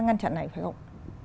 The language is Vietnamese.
ngăn chặn này phải không